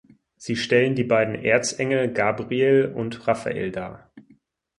Sie stellen die beiden Erzengel Gabriel und Raphael dar.